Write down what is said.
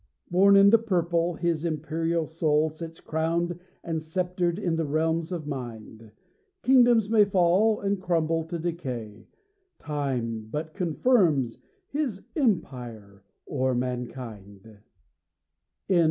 Born in the purple, his imperial soul Sits crowned and sceptred in the realms of mind. Kingdoms may fall, and crumble to decay, Time but confirms his empire o'er mankind. MRS.